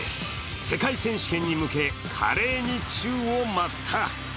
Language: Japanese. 世界選手権に向け華麗に宙を舞った。